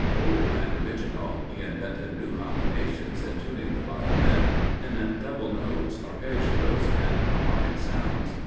Bold and original, he invented new combinations in tuning the Violin, in double notes, arpeggios, and harmonic sounds.